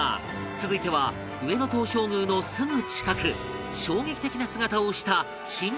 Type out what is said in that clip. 続いては上野東照宮のすぐ近く衝撃的な姿をした珍大仏へ